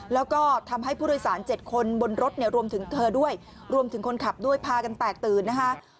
แล้วก็ทำให้ผู้โดยสาร๗คนบนรถเนี่ยรวมถึงเธอด้วยรวมถึงคนขับด้วยพากันแตกตื่นนะคะ